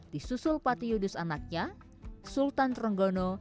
disusul pati yudus anaknya sultan trenggono